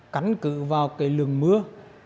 cắn cự vào lường mưa